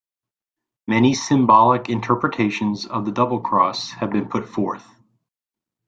Many symbolic interpretations of the double cross have been put forth.